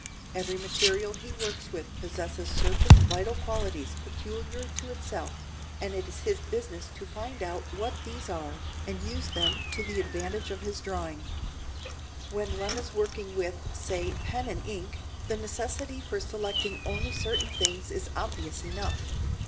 Every material he works with possesses certain vital qualities peculiar to itself, and it is his business to find out what these are and use them to the advantage of his drawing. When one is working with, say, pen and ink, the necessity for selecting only certain things is obvious enough.